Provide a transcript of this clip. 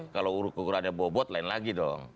kalau urut urut ada bobot lain lagi dong